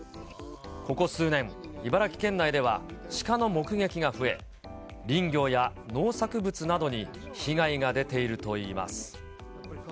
ここ数年、茨城県内では、シカの目撃が増え、林業や農作物などに被害が出ているといいます。